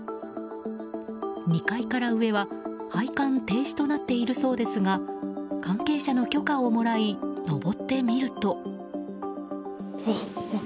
２階から上は拝観停止となっているそうですが関係者の許可をもらい上ってみると。